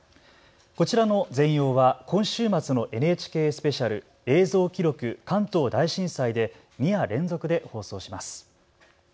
こちらの全容は今週末のＮＨＫスペシャル映像記録関東大震災で２夜連続で放送します。